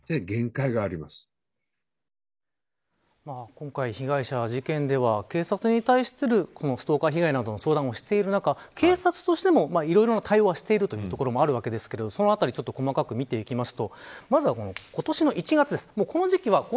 今回被害者は、事件では警察に対するストーカー被害の相談をしている中警察としてもいろいろな対応はしていたということもあるわけですがそのあたり細かく見ていきます。